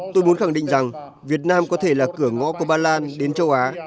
tôi muốn khẳng định rằng việt nam có thể là cửa ngõ của ba lan đến châu á